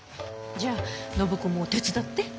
じゃあ暢子も手伝って。